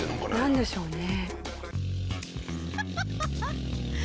なんでしょうね？